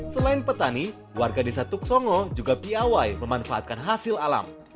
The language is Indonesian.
selain petani warga desa tuk songo juga piawai memanfaatkan hasil alam